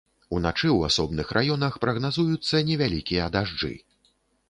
Уначы ў асобных раёнах прагназуюцца невялікія дажджы.